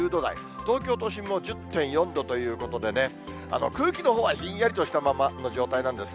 東京都心も１０．４度ということでね、空気のほうはひんやりとしたままの状態なんですね。